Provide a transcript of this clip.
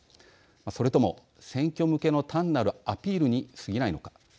それとも、選挙向けの単なるアピールにすぎないのか。